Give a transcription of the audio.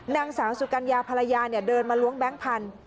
นางสาวสุกัญญาภรรยาเดินมาล้วงแบงค์พันธุ์